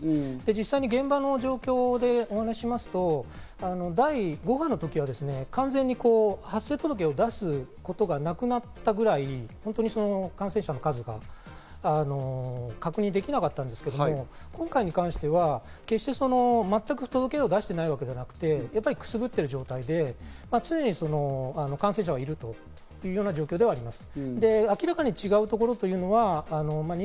実際現場の状況でお話をしますと、第５波の時は完全に発生届を出すことがなくなったぐらい感染者の数が確認できなかったんですけど今回に関しては、全く届けを出していないわけではなくて、くすぶっている状態で常に感染者はいるという状況ではあります。